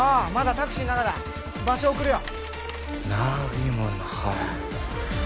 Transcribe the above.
タクシーの中だ場所を送るよ